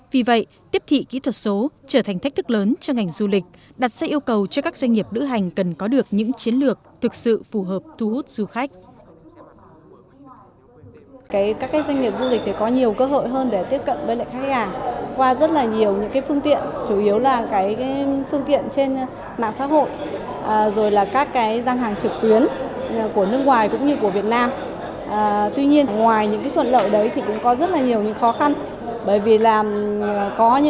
vì vậy tiếp thị kỹ thuật số trở thành thách thức lớn cho ngành du lịch đặt sẽ yêu cầu cho các doanh nghiệp lữ hành cần có được những chiến lược thực sự phù hợp thu hút du khách